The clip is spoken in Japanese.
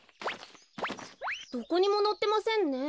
どこにものってませんね。